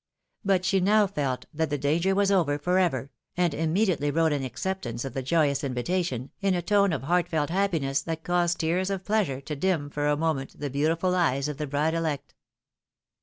But she now felt that the danger was over for ever, and immediately wrote an acceptance of the joyous, invitation, in a tone of heartfelt happiness that caused tears of pleasure to dim for a moment the beautiful eyes of the bride elect.